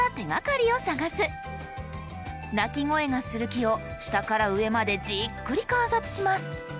鳴き声がする木を下から上までじっくり観察します。